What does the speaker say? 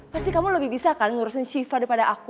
pasti kamu lebih bisa kan ngurusin shiva daripada aku